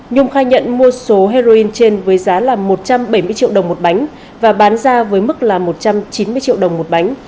nhung khai nhận mua số heroin trên với giá là một trăm bảy mươi triệu đồng một bánh và bán ra với mức là một trăm chín mươi triệu đồng một bánh